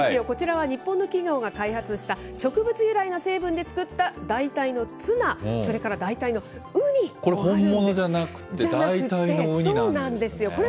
こちらは日本の企業が開発した、植物由来の成分で作った代替のツナ、それから代替のウニもあるんですね。